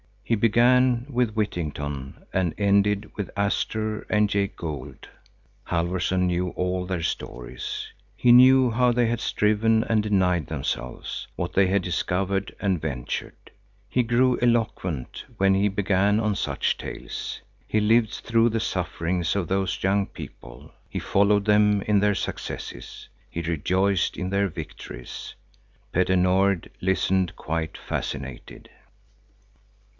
He began with Whittington and ended with Astor and Jay Gould. Halfvorson knew all their histories; he knew how they had striven and denied themselves; what they had discovered and ventured. He grew eloquent when he began on such tales. He lived through the sufferings of those young people; he followed them in their successes; he rejoiced in their victories. Petter Nord listened quite fascinated.